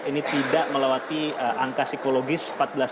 ini tidak melewati angka psikologis empat belas